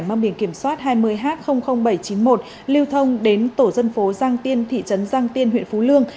mang biển kiểm soát hai mươi h bảy trăm chín mươi một lưu thông đến tổ dân phố giang tiên thị trấn giang tiên huyện phú lương